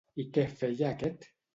I què feia aquest?